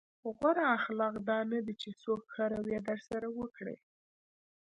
غوره اخلاق دا نه دي چې څوک ښه رويه درسره وکړي.